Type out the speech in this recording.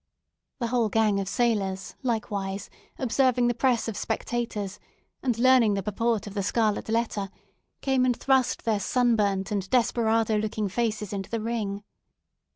The whole gang of sailors, likewise, observing the press of spectators, and learning the purport of the scarlet letter, came and thrust their sunburnt and desperado looking faces into the ring.